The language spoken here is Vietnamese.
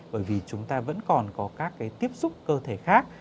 bởi vì chúng ta vẫn còn có các cái tiếp xúc cơ thể khác